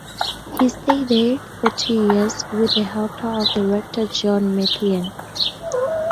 He stayed there for two years with the help of the rector John Methuen.